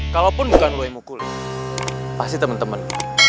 kalaupun bukan lo yang mukulin pasti temen temen